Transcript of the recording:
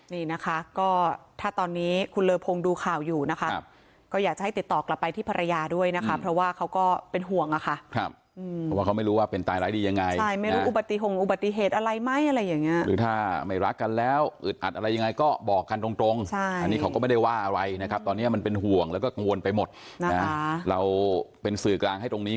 นี่นะคะก็ถ้าตอนนี้คุณเลอพงดูข่าวอยู่นะครับก็อยากจะให้ติดต่อกลับไปที่ภรรยาด้วยนะครับเพราะว่าเขาก็เป็นห่วงอ่ะค่ะเพราะว่าเขาไม่รู้ว่าเป็นตายร้ายดียังไงใช่ไม่รู้อุบัติฮงอุบัติเหตุอะไรไหมอะไรอย่างเงี้ยหรือถ้าไม่รักกันแล้วอึดอัดอะไรยังไงก็บอกกันตรงตรงใช่อันนี้เขาก็ไม่ได้ว่าอะไรนะครับตอนเนี้